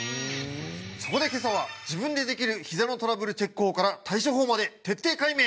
そこで今朝は自分でできるひざのトラブルチェック法から対処法まで徹底解明！